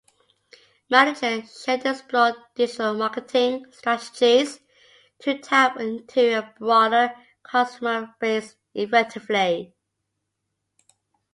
Managers should explore digital marketing strategies to tap into a broader customer base effectively.